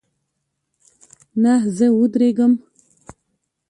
نه، زه ودریږم